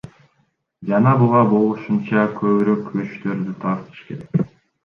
Жана буга болушунча көбүрөөк күчтөрдү тартыш керек.